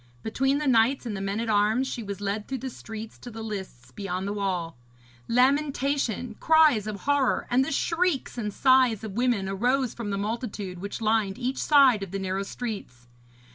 Between the knights and the men at arms she was led through the streets to the lists beyond the wall. Lamentation, cries of horror, and the shrieks and sighs of women arose from the multitude which lined each side of the narrow streets.